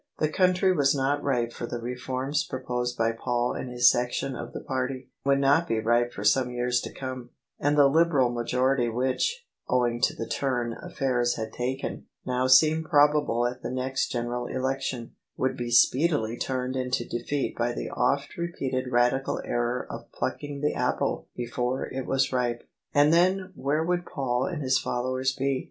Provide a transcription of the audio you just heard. The country was not ripe for the reforms proposed by Paul and his section of the party — ^would not be ripe for some years to come — and the Liberal majority which, owing to the turn affairs had taken, now seemed probable at the next General Election, would be speedily turned into defeat by the oft repeated Radical error of plucking the apple before it was ripe. And then where would Paul and his followers be?